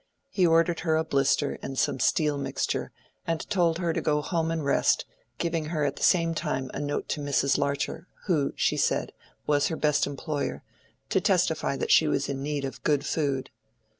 He ordered her a blister and some steel mixture, and told her to go home and rest, giving her at the same time a note to Mrs. Larcher, who, she said, was her best employer, to testify that she was in need of good food.